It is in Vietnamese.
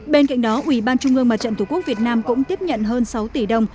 bên cạnh đó ủy ban trung ương mặt trận tổ quốc việt nam cũng tiếp nhận hơn sáu tỷ đồng